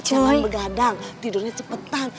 jangan begadang tidurnya cepetan